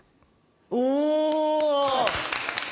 お。